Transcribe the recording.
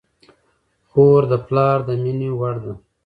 خور د پلار د مینې وړ ده.